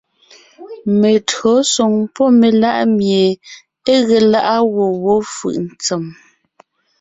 Meÿǒsoŋ pɔ́ melá’ mie é ge lá’a gwɔ̂ wó fʉʼ ntsèm :